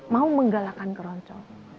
mau menggalakan keroncong